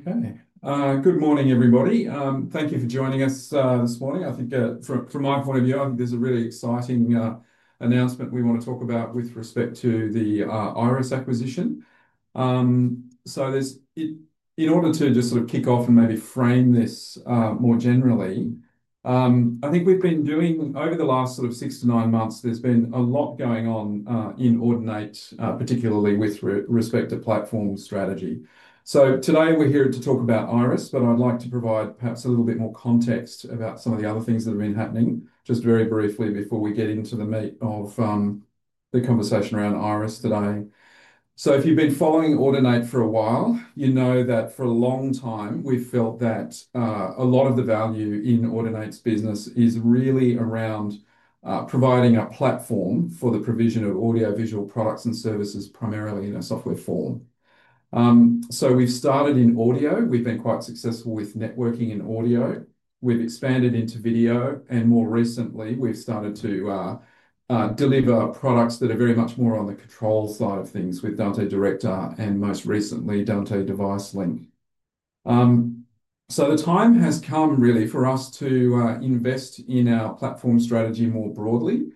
Okay. Good morning, everybody. Thank you for joining us this morning. I think, from my point of view, I think there's a really exciting announcement we want to talk about with respect to the IRIS acquisition. In order to just sort of kick off and maybe frame this more generally, I think we've been doing over the last sort of six to nine months, there's been a lot going on in Audinate, particularly with respect to platform strategy. Today we're here to talk about IRIS, but I'd like to provide perhaps a little bit more context about some of the other things that have been happening, just very briefly before we get into the meat of the conversation around IRIS today. If you've been following Audinate for a while, you know that for a long time we've felt that a lot of the value in Audinate's business is really around providing a platform for the provision of audio-visual products and services, primarily in a software form. We've started in audio. We've been quite successful with networking and audio. We've expanded into video. More recently, we've started to deliver products that are very much more on the control side of things with Dante Director and most recently Dante Device Link. The time has come really for us to invest in our platform strategy more broadly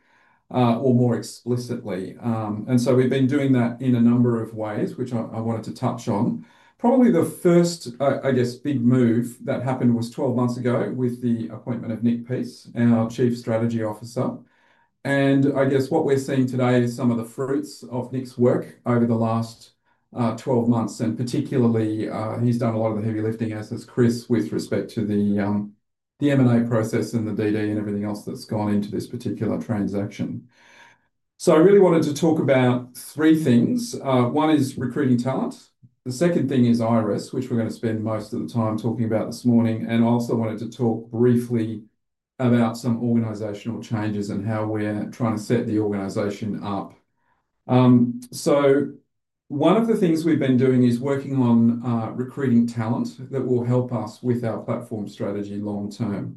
or more explicitly. We've been doing that in a number of ways, which I wanted to touch on. Probably the first, I guess, big move that happened was 12 months ago with the appointment of Nick Peace, our Chief Strategy Officer. I guess what we're seeing today is some of the fruits of Nick's work over the last 12 months. Particularly, he's done a lot of the heavy lifting, as has Chris, with respect to the M&A process and the DD and everything else that's gone into this particular transaction. I really wanted to talk about three things. One is recruiting talent. The second thing is IRIS, which we're going to spend most of the time talking about this morning. I also wanted to talk briefly about some organizational changes and how we're trying to set the organization up. One of the things we've been doing is working on recruiting talent that will help us with our platform strategy long term.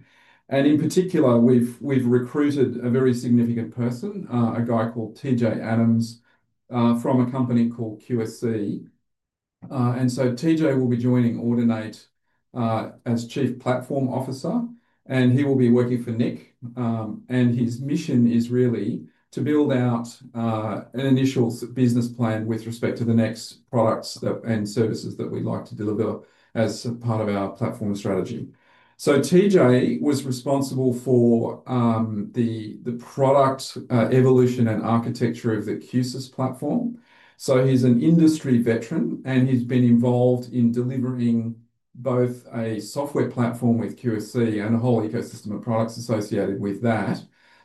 In particular, we've recruited a very significant person, a guy called TJ Adams from a company called QSC. TJ will be joining Audinate as Chief Platform Officer, and he will be working for Nick. His mission is really to build out an initial business plan with respect to the next products and services that we'd like to deliver as part of our platform strategy. TJ was responsible for the product evolution and architecture of the QSYS platform. He's an industry veteran, and he's been involved in delivering both a software platform with QSYS and a whole ecosystem of products associated with that.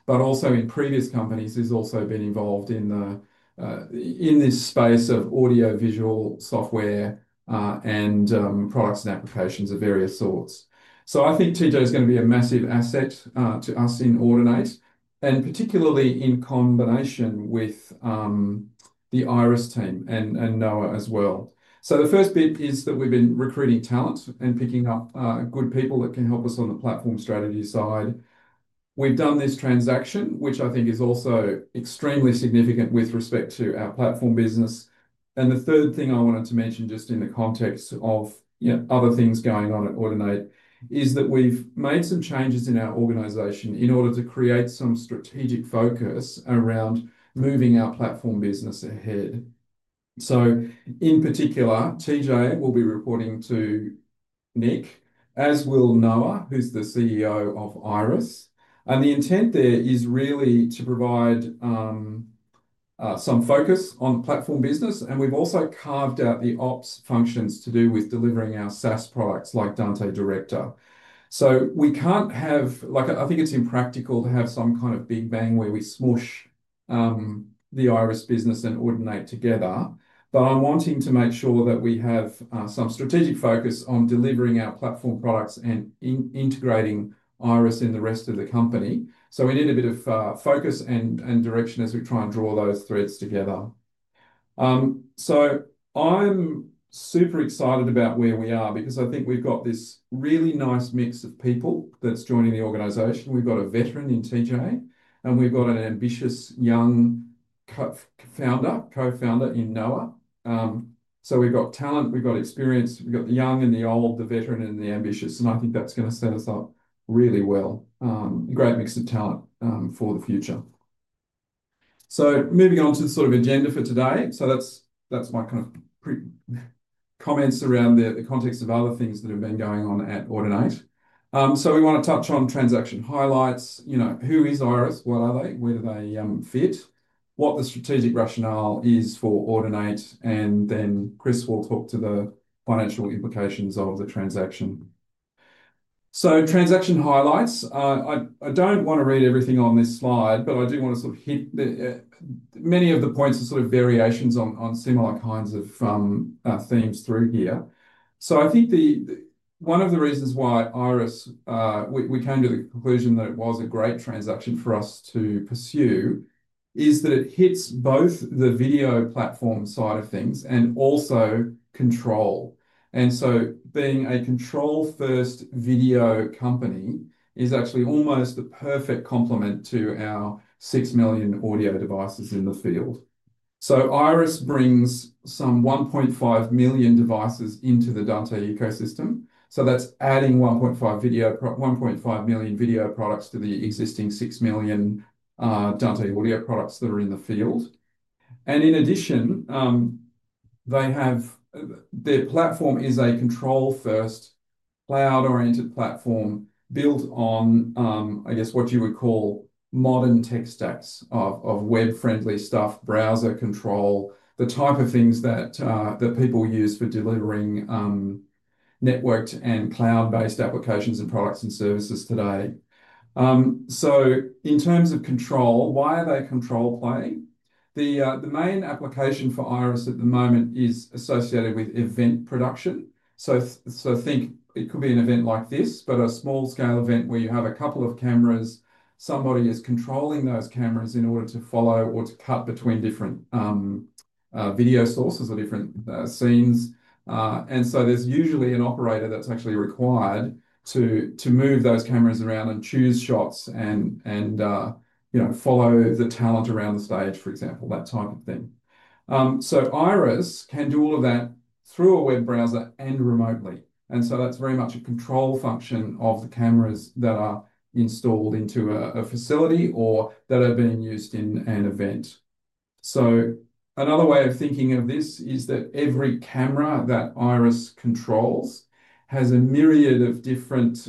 In previous companies, he's also been involved in this space of audio-visual software and products and applications of various sorts. I think TJ is going to be a massive asset to us in Audinate, and particularly in combination with the IRIS team and Noah as well. The first bit is that we've been recruiting talent and picking up good people that can help us on the platform strategy side. We've done this transaction, which I think is also extremely significant with respect to our platform business. The third thing I wanted to mention just in the context of other things going on at Audinate is that we've made some changes in our organization in order to create some strategic focus around moving our platform business ahead. In particular, TJ will be reporting to Nick, as will Noah, who's the CEO of IRIS. The intent there is really to provide some focus on the platform business. We've also carved out the ops functions to do with delivering our SaaS products like Dante Director. We can't have—I think it's impractical to have some kind of big bang where we smush the IRIS business and Audinate together. I am wanting to make sure that we have some strategic focus on delivering our platform products and integrating IRIS in the rest of the company. We need a bit of focus and direction as we try and draw those threads together. I am super excited about where we are because I think we have got this really nice mix of people that is joining the organization. We have got a veteran in TJ, and we have got an ambitious young founder, co-founder in Noah. We have got talent, we have got experience, we have got the young and the old, the veteran and the ambitious. I think that is going to set us up really well. A great mix of talent for the future. Moving on to the sort of agenda for today. That is my kind of comments around the context of other things that have been going on at Audinate. We want to touch on transaction highlights. Who is IRIS? What are they? Where do they fit? What the strategic rationale is for Audinate. Chris will talk to the financial implications of the transaction. Transaction highlights. I do not want to read everything on this slide, but I do want to sort of hit many of the points of variations on similar kinds of themes through here. I think one of the reasons why IRIS—we came to the conclusion that it was a great transaction for us to pursue—is that it hits both the video platform side of things and also control. Being a control-first video company is actually almost the perfect complement to our 6 million audio devices in the field. IRIS brings some 1.5 million devices into the Dante ecosystem. That is adding 1.5 million video products to the existing 6 million Dante audio products that are in the field. In addition, their platform is a control-first, cloud-oriented platform built on, I guess, what you would call modern tech stacks of web-friendly stuff, browser control, the type of things that people use for delivering networked and cloud-based applications and products and services today. In terms of control, why are they control-playing? The main application for IRIS at the moment is associated with event production. Think it could be an event like this, but a small-scale event where you have a couple of cameras, somebody is controlling those cameras in order to follow or to cut between different video sources or different scenes. There is usually an operator that's actually required to move those cameras around and choose shots and follow the talent around the stage, for example, that type of thing. IRIS can do all of that through a web browser and remotely. That is very much a control function of the cameras that are installed into a facility or that are being used in an event. Another way of thinking of this is that every camera that IRIS controls has a myriad of different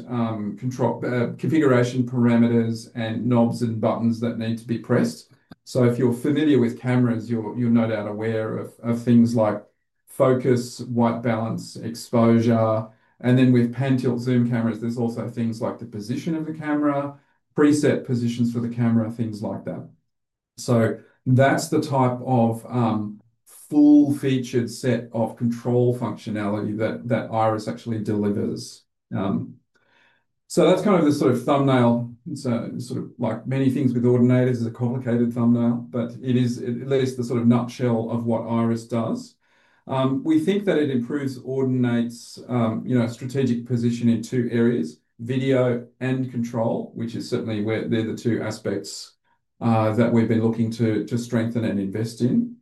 configuration parameters and knobs and buttons that need to be pressed. If you're familiar with cameras, you're no doubt aware of things like focus, white balance, exposure. With pan-tilt-zoom cameras, there's also things like the position of the camera, preset positions for the camera, things like that. That's the type of full-featured set of control functionality that IRIS actually delivers. That's kind of the sort of thumbnail. It's sort of like many things with Audinate, it is a complicated thumbnail, but it is at least the sort of nutshell of what IRIS does. We think that it improves Audinate's strategic position in two areas: video and control, which is certainly where they're the two aspects that we've been looking to strengthen and invest in.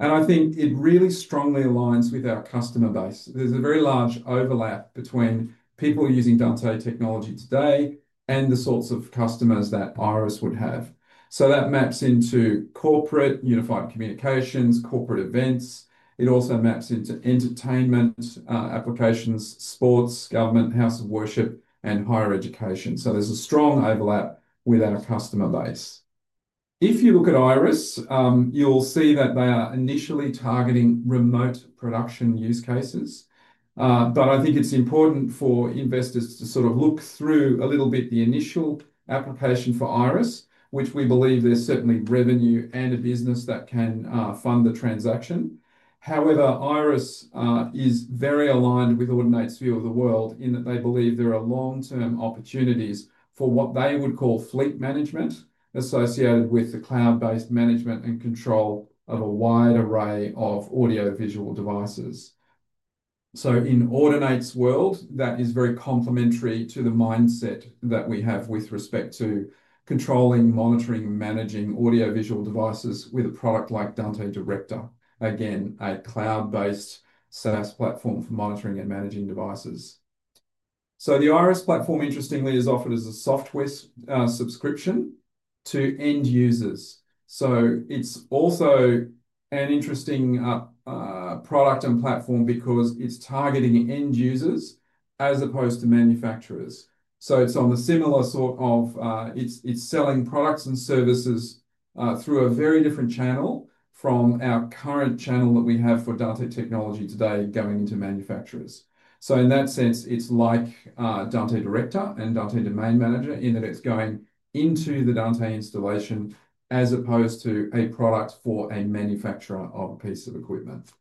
I think it really strongly aligns with our customer base. There's a very large overlap between people using Dante technology today and the sorts of customers that IRIS would have. That maps into corporate unified communications, corporate events. It also maps into entertainment applications, sports, government, house of worship, and higher education. There is a strong overlap with our customer base. If you look at IRIS, you'll see that they are initially targeting remote production use cases. I think it's important for investors to sort of look through a little bit the initial application for IRIS, which we believe there's certainly revenue and a business that can fund the transaction. However, IRIS is very aligned with Audinate's view of the world in that they believe there are long-term opportunities for what they would call fleet management associated with the cloud-based management and control of a wide array of audio-visual devices. In Audinate's world, that is very complementary to the mindset that we have with respect to controlling, monitoring, and managing audio-visual devices with a product like Dante Director, again, a cloud-based SaaS platform for monitoring and managing devices. The IRIS platform, interestingly, is offered as a software subscription to end users. It is also an interesting product and platform because it is targeting end users as opposed to manufacturers. It is on the similar sort of—it is selling products and services through a very different channel from our current channel that we have for Dante technology today going into manufacturers. In that sense, it is like Dante Director and Dante Domain Manager in that it is going into the Dante installation as opposed to a product for a manufacturer of a piece of equipment.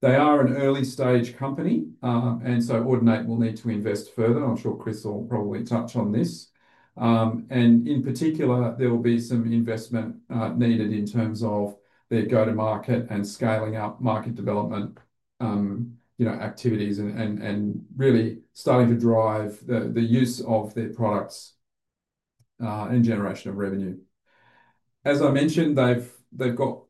They are an early-stage company, and Audinate will need to invest further. I'm sure Chris will probably touch on this. In particular, there will be some investment needed in terms of their go-to-market and scaling up market development activities and really starting to drive the use of their products and generation of revenue. As I mentioned, they've got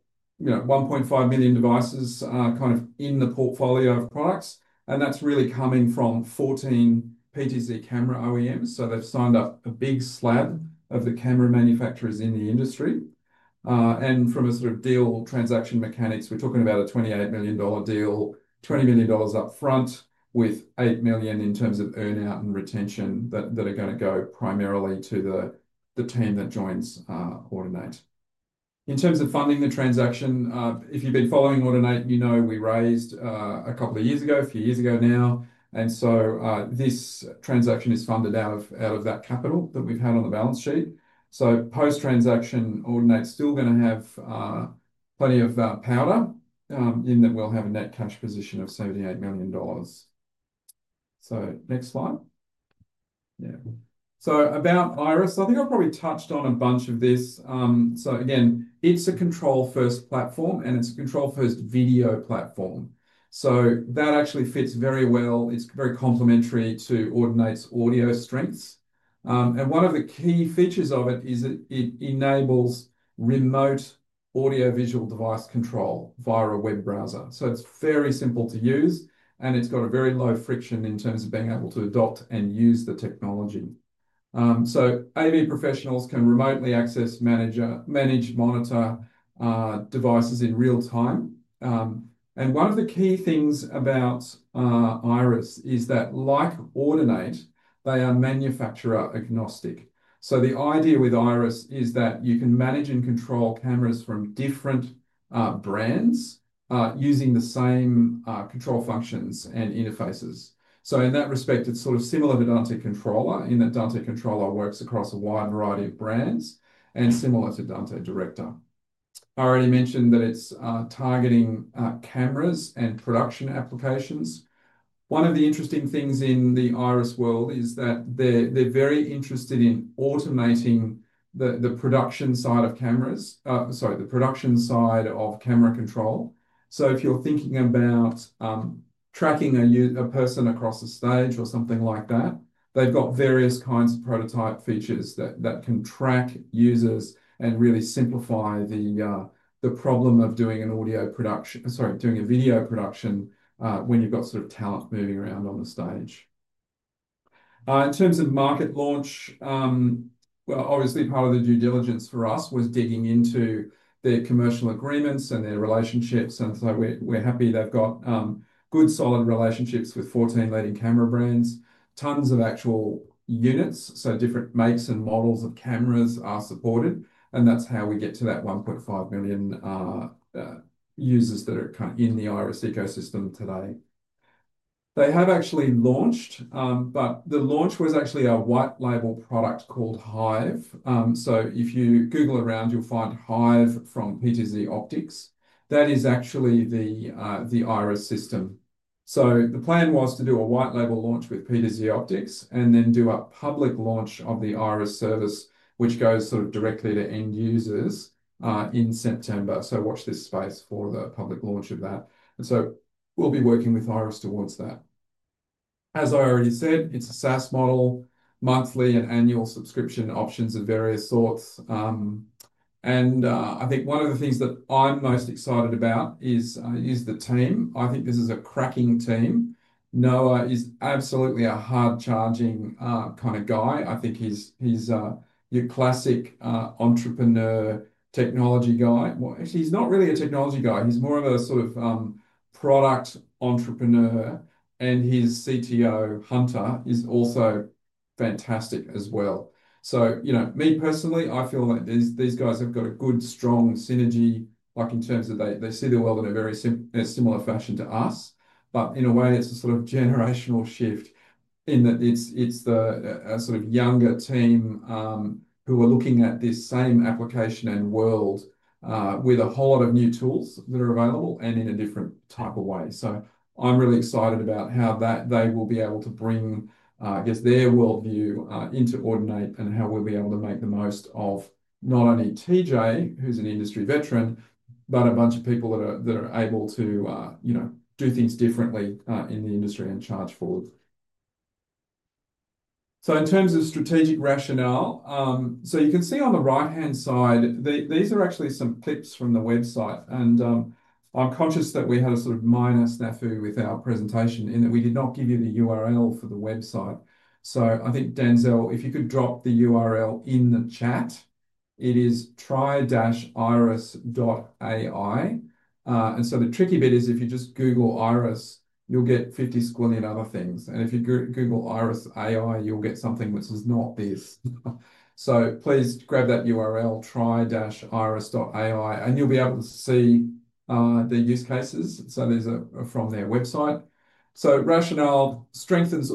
1.5 million devices kind of in the portfolio of products, and that's really coming from 14 PTZ camera OEMs. They've signed up a big slab of the camera manufacturers in the industry. From a sort of deal transaction mechanics, we're talking about a $28 million deal, $20 million upfront with $8 million in terms of earnout and retention that are going to go primarily to the team that joins Audinate. In terms of funding the transaction, if you've been following Audinate, you know we raised a couple of years ago, a few years ago now. This transaction is funded out of that capital that we've had on the balance sheet. Post-transaction, Audinate's still going to have plenty of powder in that we'll have a net cash position of 78 million dollars. Next slide. About IRIS, I think I've probably touched on a bunch of this. Again, it's a control-first platform, and it's a control-first video platform. That actually fits very well. It's very complementary to Audinate's audio strengths. One of the key features of it is it enables remote audio-visual device control via a web browser. It's very simple to use, and it's got very low friction in terms of being able to adopt and use the technology. AV professionals can remotely access, manage, monitor devices in real time. One of the key things about IRIS is that, like Audinate, they are manufacturer-agnostic. The idea with IRIS is that you can manage and control cameras from different brands using the same control functions and interfaces. In that respect, it's sort of similar to Dante Controller in that Dante Controller works across a wide variety of brands and similar to Dante Director. I already mentioned that it's targeting cameras and production applications. One of the interesting things in the IRIS world is that they're very interested in automating the production side of cameras—sorry, the production side of camera control. If you're thinking about tracking a person across a stage or something like that, they've got various kinds of prototype features that can track users and really simplify the problem of doing an audio production—sorry, doing a video production when you've got sort of talent moving around on the stage. In terms of market launch, obviously, part of the due diligence for us was digging into their commercial agreements and their relationships. We're happy they've got good, solid relationships with 14 leading camera brands, tons of actual units. Different makes and models of cameras are supported. That's how we get to that 1.5 million users that are kind of in the IRIS ecosystem today. They have actually launched, but the launch was actually a white-label product called Hive. If you Google around, you'll find Hive from PTZOptics. That is actually the IRIS system. The plan was to do a white-label launch with PTZOptics and then do a public launch of the IRIS service, which goes sort of directly to end users in September. Watch this space for the public launch of that. We will be working with IRIS towards that. As I already said, it is a SaaS model, monthly and annual subscription options of various sorts. I think one of the things that I am most excited about is the team. I think this is a cracking team. Noah is absolutely a hard-charging kind of guy. I think he is your classic entrepreneur technology guy. Actually, he is not really a technology guy. He is more of a sort of product entrepreneur. His CTO, Hunter, is also fantastic as well. Me personally, I feel like these guys have got a good, strong synergy in terms of they see the world in a very similar fashion to us. In a way, it's a sort of generational shift in that it's the sort of younger team who are looking at this same application and world with a whole lot of new tools that are available and in a different type of way. I'm really excited about how they will be able to bring, I guess, their worldview into Audinate and how we'll be able to make the most of not only TJ, who's an industry veteran, but a bunch of people that are able to do things differently in the industry and charge forward. In terms of strategic rationale, you can see on the right-hand side, these are actually some clips from the website. I'm conscious that we had a sort of minor snafu with our presentation in that we did not give you the URL for the website. I think, Denzel, if you could drop the URL in the chat, it is try-iris.ai. The tricky bit is if you just Google IRIS, you'll get 50 squillion other things. If you Google IRIS AI, you'll get something which is not this. Please grab that URL, try-iris.ai, and you'll be able to see the use cases. These are from their website. Rationale strengthens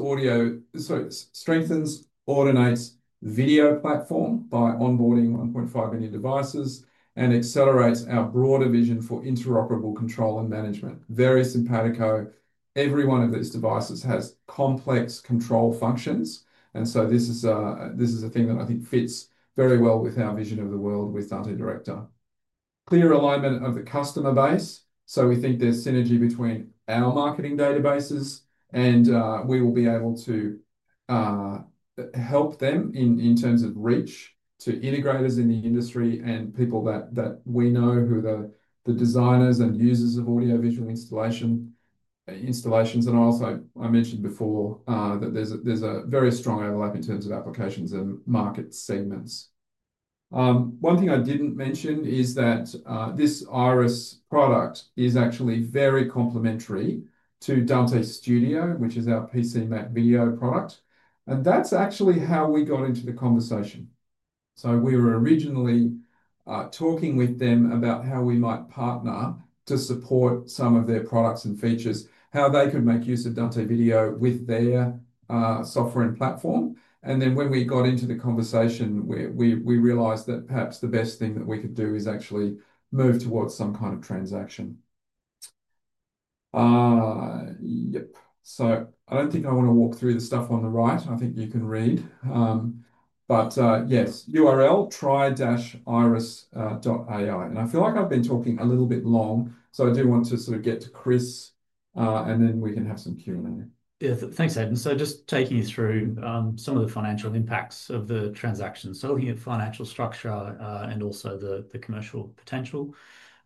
Audinate's video platform by onboarding 1.5 million devices and accelerates our broader vision for interoperable control and management. Very simpatico. Every one of these devices has complex control functions. This is a thing that I think fits very well with our vision of the world with Dante Director. Clear alignment of the customer base. We think there's synergy between our marketing databases, and we will be able to help them in terms of reach to integrators in the industry and people that we know who are the designers and users of audio-visual installations. I mentioned before that there's a very strong overlap in terms of applications and market segments. One thing I didn't mention is that this IRIS product is actually very complementary to Dante Studio, which is our PC Mac video product. That's actually how we got into the conversation. We were originally talking with them about how we might partner to support some of their products and features, how they could make use of Dante video with their software and platform. Then when we got into the conversation, we realized that perhaps the best thing that we could do is actually move towards some kind of transaction. Yep. I do not think I want to walk through the stuff on the right. I think you can read. Yes, URL, try-iris.ai. I feel like I have been talking a little bit long, so I do want to sort of get to Chris, and then we can have some Q&A. Yeah, thanks, Aidan. Just taking you through some of the financial impacts of the transaction. Looking at financial structure and also the commercial potential.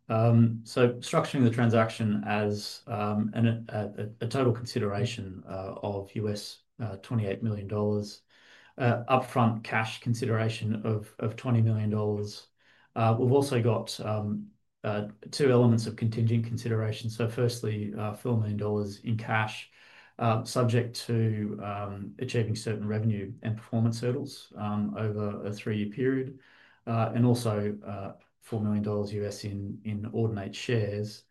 Structuring the transaction as a total consideration of $28 million, upfront cash consideration of $20 million. We have also got two elements of contingent consideration. Firstly, $4 million in cash subject to achieving certain revenue and performance hurdles over a three-year period. Also $4 million US in Audinate shares.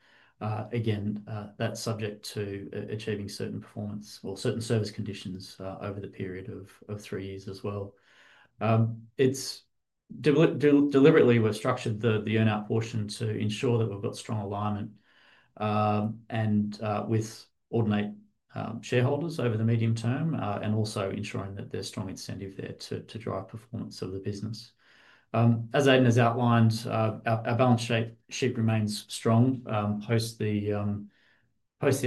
Again, that's subject to achieving certain performance or certain service conditions over the period of three years as well. Deliberately, we've structured the earnout portion to ensure that we've got strong alignment with Audinate shareholders over the medium term and also ensuring that there's strong incentive there to drive performance of the business. As Aidan has outlined, our balance sheet remains strong post the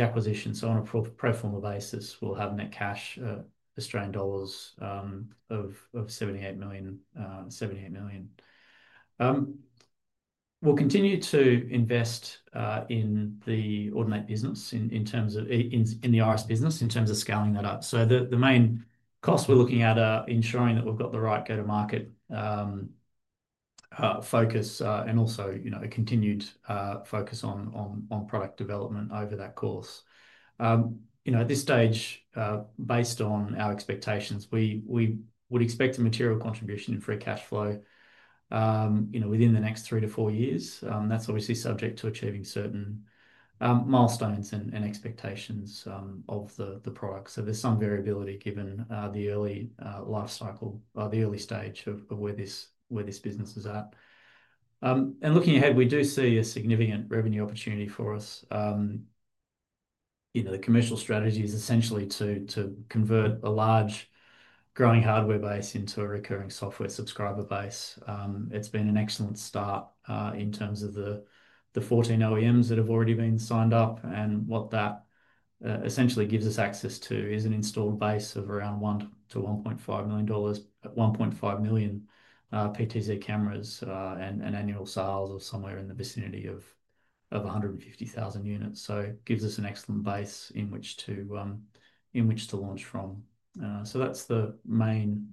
acquisition. On a pro forma basis, we'll have net cash, Australian dollars, of 78 million. We'll continue to invest in the Audinate business, in the IRIS business in terms of scaling that up. The main cost we're looking at are ensuring that we've got the right go-to-market focus and also a continued focus on product development over that course. At this stage, based on our expectations, we would expect a material contribution in free cash flow within the next three to four years. That's obviously subject to achieving certain milestones and expectations of the product. There is some variability given the early life cycle, the early stage of where this business is at. Looking ahead, we do see a significant revenue opportunity for us. The commercial strategy is essentially to convert a large growing hardware base into a recurring software subscriber base. It's been an excellent start in terms of the 14 OEMs that have already been signed up. What that essentially gives us access to is an installed base of around $1 million-$1.5 million PTZ cameras and annual sales of somewhere in the vicinity of 150,000 units. It gives us an excellent base in which to launch from. That's the main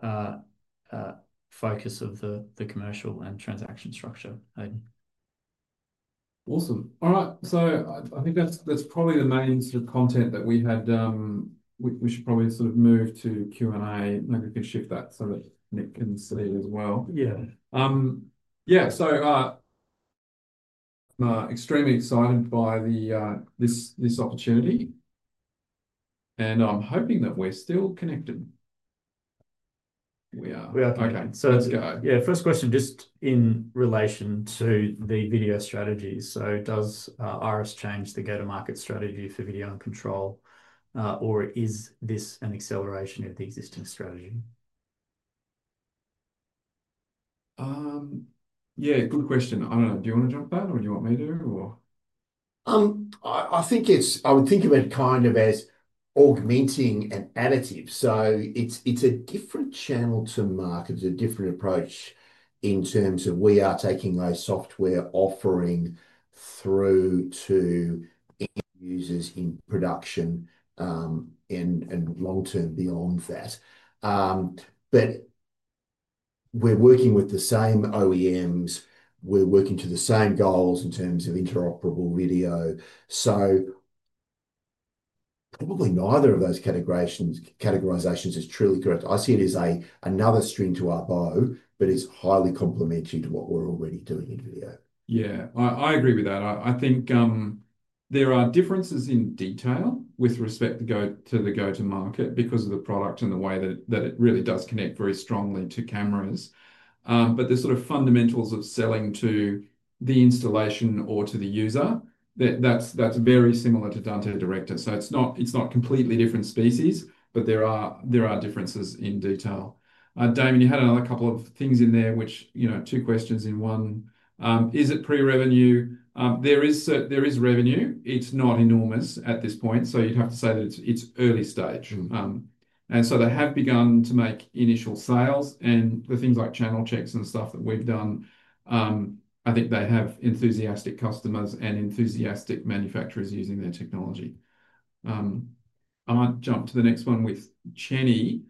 focus of the commercial and transaction structure, Aidan. Awesome. All right. I think that's probably the main sort of content that we had. We should probably sort of move to Q&A. Maybe we can shift that so that Nick can see it as well. Yeah. Yeah. I'm extremely excited by this opportunity. I'm hoping that we're still connected. We are. We are. Okay. Let's go. First question, just in relation to the video strategy. Does IRIS change the go-to-market strategy for video and control, or is this an acceleration of the existing strategy? Good question. I don't know. Do you want to jump that, or do you want me to, or? I think I would think of it kind of as augmenting and additive. It's a different channel to market. It's a different approach in terms of we are taking those software offerings through to end users in production and long-term beyond that. We're working with the same OEMs. We're working to the same goals in terms of interoperable video. Probably neither of those categorizations is truly correct. I see it as another string to our bow, but it's highly complementary to what we're already doing in video. Yeah. I agree with that. I think there are differences in detail with respect to the go-to-market because of the product and the way that it really does connect very strongly to cameras. The sort of fundamentals of selling to the installation or to the user, that's very similar to Dante Director. It's not completely different species, but there are differences in detail. Damien, you had another couple of things in there, which two questions in one. Is it pre-revenue? There is revenue. It's not enormous at this point. You'd have to say that it's early stage. They have begun to make initial sales. The things like channel checks and stuff that we've done, I think they have enthusiastic customers and enthusiastic manufacturers using their technology. I might jump to the next one with Chenny.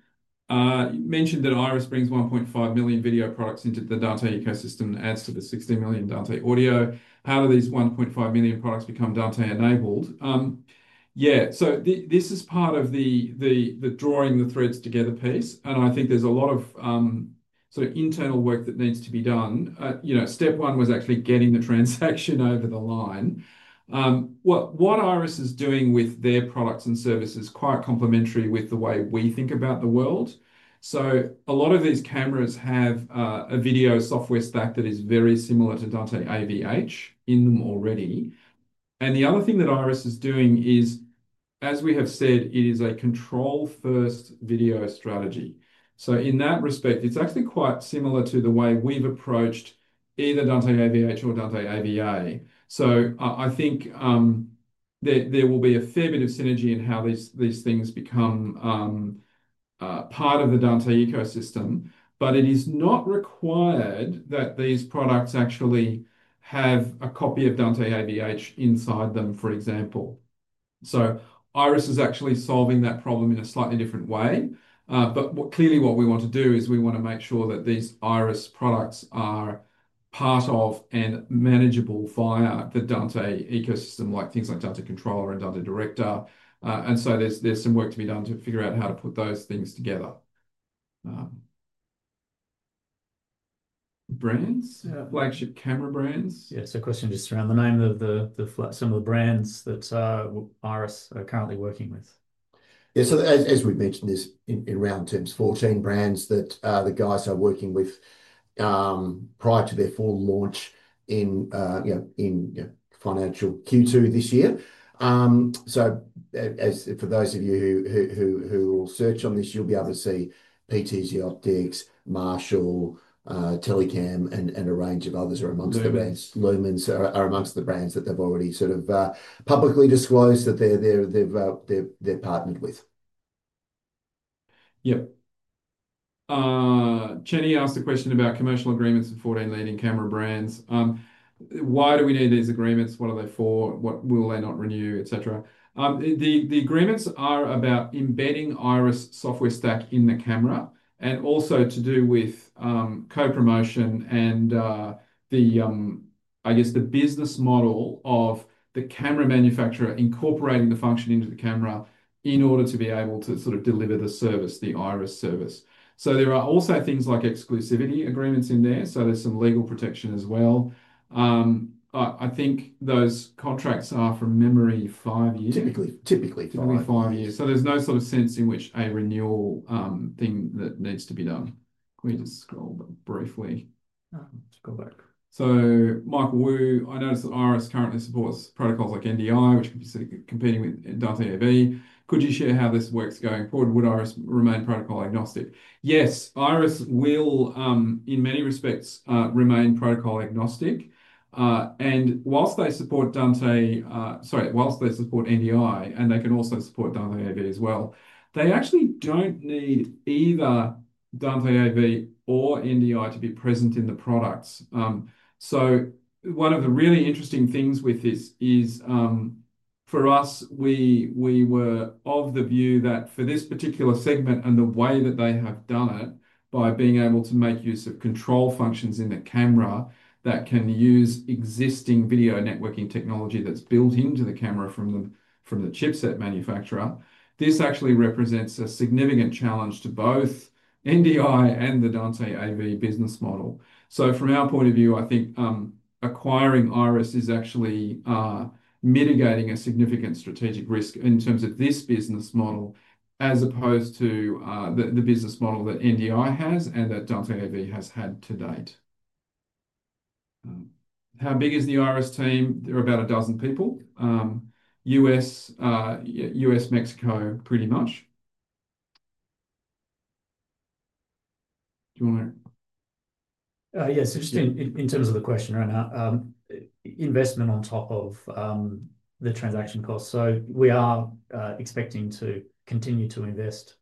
You mentioned that IRIS brings 1.5 million video products into the Dante ecosystem and adds to the 60 million Dante audio. How do these 1.5 million products become Dante-enabled? Yeah. This is part of the drawing the threads together piece. I think there's a lot of sort of internal work that needs to be done. Step one was actually getting the transaction over the line. What IRIS is doing with their products and services is quite complementary with the way we think about the world. A lot of these cameras have a video software stack that is very similar to Dante AV-H in them already. The other thing that IRIS is doing is, as we have said, it is a control-first video strategy. In that respect, it's actually quite similar to the way we've approached either Dante AV-H or Dante AVA. I think there will be a fair bit of synergy in how these things become part of the Dante ecosystem. It is not required that these products actually have a copy of Dante AV-H inside them, for example. IRIS is actually solving that problem in a slightly different way. Clearly, what we want to do is we want to make sure that these IRIS products are part of and manageable via the Dante ecosystem, like things like Dante Controller and Dante Director. There is some work to be done to figure out how to put those things together. Brands? Flagship camera brands? Yeah. A question just around the name of some of the brands that IRIS are currently working with. Yeah. As we have mentioned this in round terms, 14 brands that the guys are working with prior to their full launch in financial Q2 this year. For those of you who will search on this, you will be able to see PTZOptics, Marshall, Telecam, and a range of others are amongst the brands. Lumens are amongst the brands that they have already sort of publicly disclosed that they have partnered with. Yep. Chenny asked a question about commercial agreements for 14 leading camera brands. Why do we need these agreements? What are they for? What will they not renew, etc.? The agreements are about embedding IRIS software stack in the camera and also to do with co-promotion and, I guess, the business model of the camera manufacturer incorporating the function into the camera in order to be able to sort of deliver the service, the IRIS service. There are also things like exclusivity agreements in there. There is some legal protection as well. I think those contracts are, from memory, five years. Typically. Typically five years. There is no sort of sense in which a renewal thing that needs to be done. Can we just scroll briefly? Let's go back. Michael Wu, I noticed that IRIS currently supports protocols like NDI, which can be competing with Dante AV. Could you share how this works going forward? Would IRIS remain protocol agnostic? Yes. IRIS will, in many respects, remain protocol agnostic. Whilst they support NDI, and they can also support Dante AV as well, they actually do not need either Dante AV or NDI to be present in the products. One of the really interesting things with this is, for us, we were of the view that for this particular segment and the way that they have done it by being able to make use of control functions in the camera that can use existing video networking technology that is built into the camera from the chipset manufacturer, this actually represents a significant challenge to both NDI and the Dante AV business model. From our point of view, I think acquiring IRIS is actually mitigating a significant strategic risk in terms of this business model as opposed to the business model that NDI has and that Dante AV has had to date. How big is the IRIS team? They're about a dozen people. US, Mexico, pretty much. Do you want to? Yes. Just in terms of the question around investment on top of the transaction costs. We are expecting to continue to invest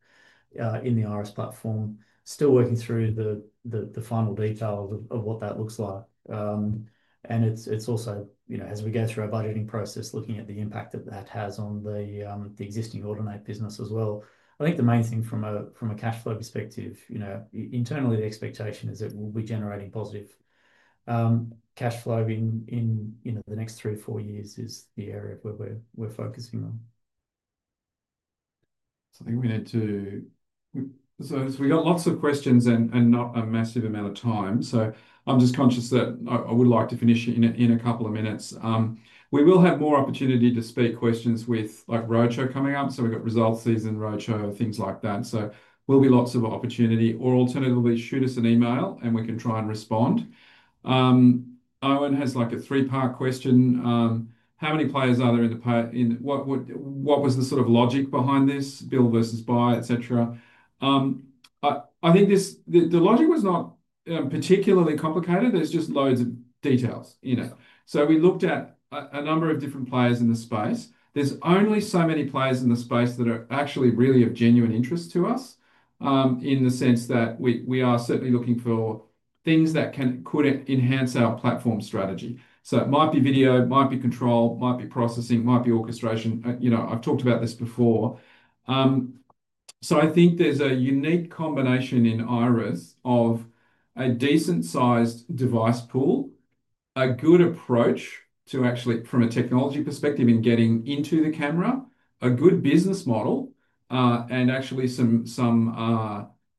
in the IRIS platform. Still working through the final details of what that looks like. It is also, as we go through our budgeting process, looking at the impact that has on the existing Audinate business as well. I think the main thing from a cash flow perspective, internally, the expectation is that we will be generating positive cash flow in the next three or four years. That is the area where we are focusing. I think we need to, so we have lots of questions and not a massive amount of time. I am just conscious that I would like to finish in a couple of minutes. We will have more opportunity to speak questions with Roadshow coming up. We have results season, Roadshow, things like that. There will be lots of opportunity. Alternatively, shoot us an email, and we can try and respond. Owen has a three-part question. How many players are there in the what was the sort of logic behind this, Build versus Buy, etc.? I think the logic was not particularly complicated. There are just loads of details in it. We looked at a number of different players in the space. There are only so many players in the space that are actually really of genuine interest to us in the sense that we are certainly looking for things that could enhance our platform strategy. It might be video, might be control, might be processing, might be orchestration. I have talked about this before. I think there's a unique combination in IRIS of a decent-sized device pool, a good approach from a technology perspective in getting into the camera, a good business model, and actually some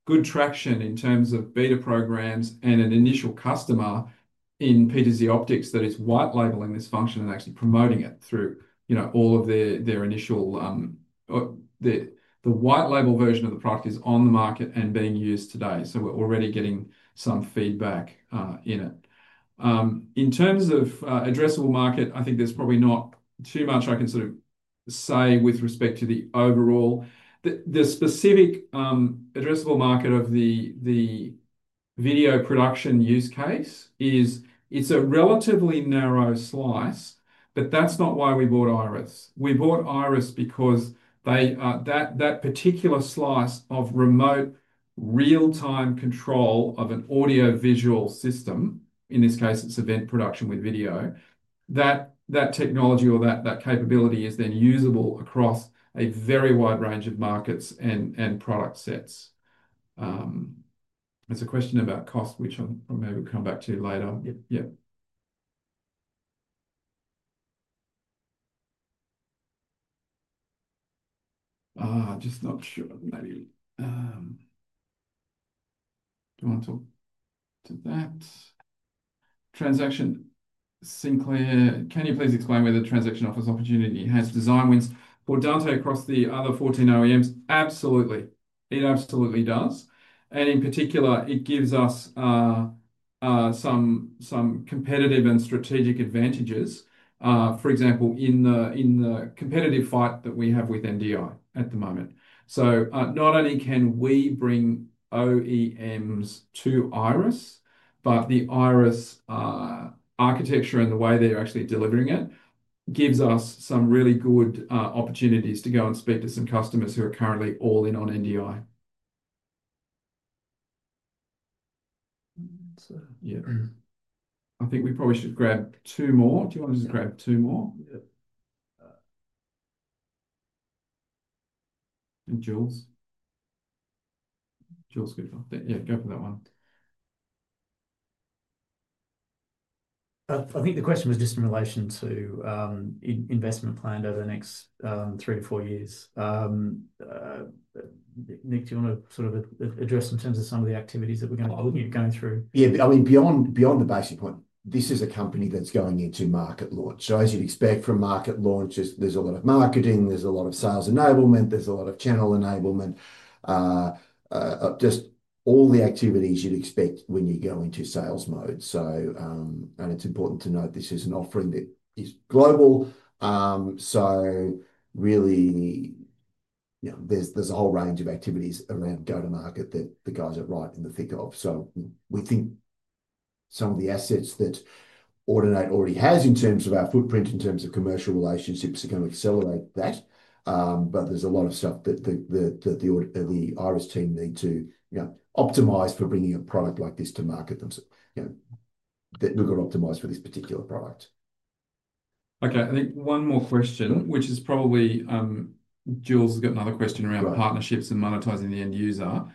good traction in terms of beta programs and an initial customer in PTZOptics that is white-labeling this function and actually promoting it through all of their initial the white-label version of the product is on the market and being used today. We're already getting some feedback in it. In terms of addressable market, I think there's probably not too much I can sort of say with respect to the overall. The specific addressable market of the video production use case is it's a relatively narrow slice, but that's not why we bought IRIS. We bought IRIS because that particular slice of remote real-time control of an audio-visual system, in this case, it's event production with video, that technology or that capability is then usable across a very wide range of markets and product sets. There's a question about cost, which I'll maybe come back to later. Yep. Yep. Just not sure. Maybe. Do you want to do that? Transaction Sinclair, "Can you please explain whether Transaction Office Opportunity has design wins for Dante across the other 14 OEMs?" Absolutely. It absolutely does. And in particular, it gives us some competitive and strategic advantages, for example, in the competitive fight that we have with NDI at the moment. Not only can we bring OEMs to IRIS, but the IRIS architecture and the way they're actually delivering it gives us some really good opportunities to go and speak to some customers who are currently all in on NDI. Yeah. I think we probably should grab two more. Do you want to just grab two more? Yep. And Jules. Jules could go. Yeah. Go for that one. I think the question was just in relation to investment planned over the next three to four years. Nick, do you want to sort of address in terms of some of the activities that we're going to be looking at going through? Yeah. I mean, beyond the basic point, this is a company that's going into market launch. As you'd expect from market launch, there's a lot of marketing. There's a lot of sales enablement. There's a lot of channel enablement. Just all the activities you'd expect when you go into sales mode. It is important to note this is an offering that is global. There is a whole range of activities around go-to-market that the guys are right in the thick of. We think some of the assets that Audinate already has in terms of our footprint, in terms of commercial relationships, are going to accelerate that. There is a lot of stuff that the IRIS team need to optimize for bringing a product like this to market themselves. They have got to optimize for this particular product. Okay. I think one more question, which is probably Jules has got another question around partnerships and monetizing the end user.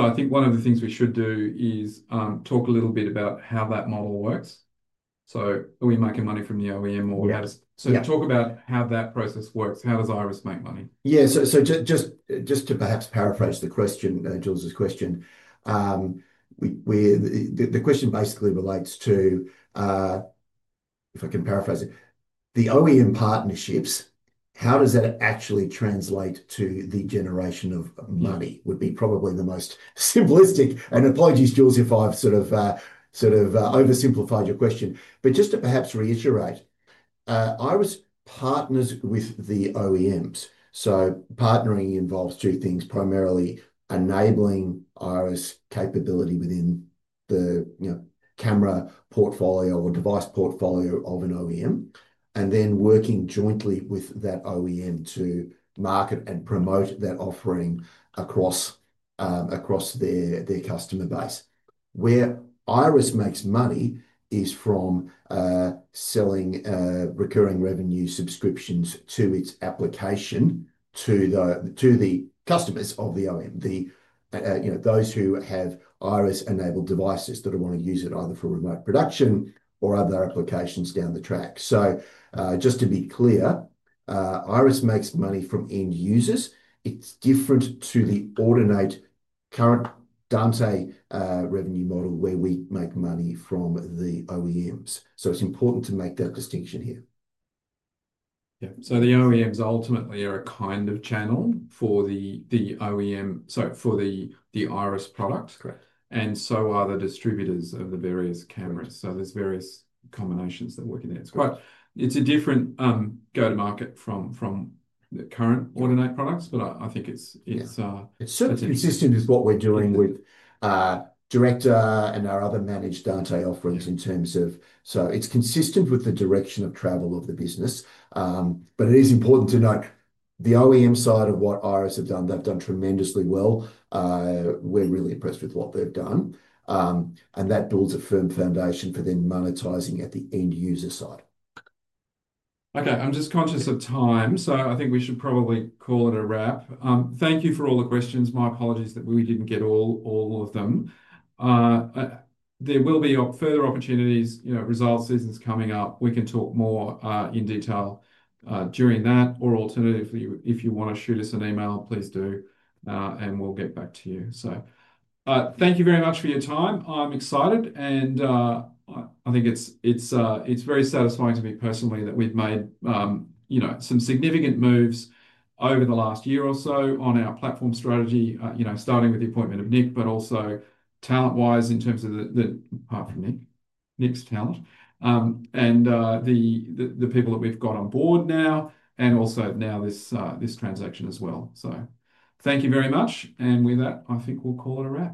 I think one of the things we should do is talk a little bit about how that model works. Are we making money from the OEM or how does, so talk about how that process works. How does IRIS make money? Yeah. Just to perhaps paraphrase Jules's question, the question basically relates to, if I can paraphrase it, the OEM partnerships, how does that actually translate to the generation of money would be probably the most simplistic. Apologies, Jules, if I've sort of oversimplified your question. Just to perhaps reiterate, IRIS partners with the OEMs. Partnering involves two things, primarily enabling IRIS capability within the camera portfolio or device portfolio of an OEM, and then working jointly with that OEM to market and promote that offering across their customer base. Where IRIS makes money is from selling recurring revenue subscriptions to its application to the customers of the OEM, those who have IRIS-enabled devices that are wanting to use it either for remote production or other applications down the track. Just to be clear, IRIS makes money from end users. It's different to the Audinate current Dante revenue model where we make money from the OEMs. It's important to make that distinction here. Yeah. The OEMs ultimately are a kind of channel for the IRIS product. So are the distributors of the various cameras. There are various combinations that work in that. It's a different go-to-market from the current Audinate products, but I think it's consistent. It's sort of consistent with what we're doing with Director and our other managed Dante offerings in terms of, so it's consistent with the direction of travel of the business. It is important to note the OEM side of what IRIS have done. They've done tremendously well. We're really impressed with what they've done. That builds a firm foundation for them monetizing at the end user side. Okay. I'm just conscious of time. I think we should probably call it a wrap. Thank you for all the questions. My apologies that we didn't get all of them. There will be further opportunities, results seasons coming up. We can talk more in detail during that. Alternatively, if you want to shoot us an email, please do, and we'll get back to you. Thank you very much for your time. I'm excited. I think it's very satisfying to me personally that we've made some significant moves over the last year or so on our platform strategy, starting with the appointment of Nick, but also talent-wise in terms of apart from Nick, Nick's talent, and the people that we've got on board now, and also now this transaction as well. Thank you very much. With that, I think we'll call it a wrap.